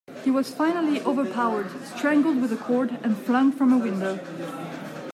He was finally overpowered, strangled with a cord, and flung from a window.